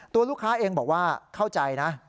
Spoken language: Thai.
ตัวลูกค้าเองบอกว่าเข้าใจนะ